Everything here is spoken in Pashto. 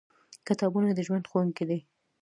کتابونه د ژوند ښوونکي دي.